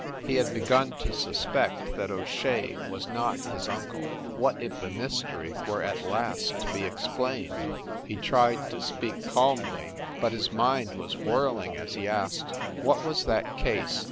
He had begun to suspect that O Shea was not his uncle what if the mys tery were at last to be explained ! He tried to speak calmly, but his mind was whirling as he asked : "What was that case?